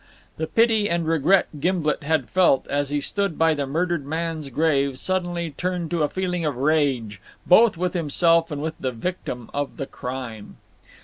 The pity and regret Gimblet had felt, as he stood by the murdered man's grave, suddenly turned to a feeling of rage, both with himself and with the victim of the crime.